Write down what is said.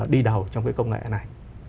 đi đầu trong cái công nghệ này